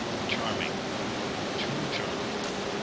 "Charming! too charming!